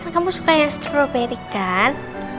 kamu suka yang stroberi kan